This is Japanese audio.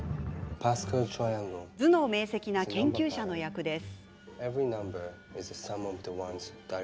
頭脳明せきな研究者の役です。